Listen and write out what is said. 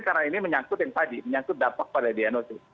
karena ini menyangkut yang tadi menyangkut dampak pada diagnosis